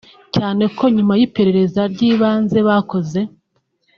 cyane ko nyuma y’iperereza ry’ibanze bakoze